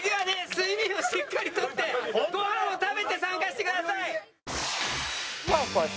睡眠をしっかりとってごはんを食べて参加してください。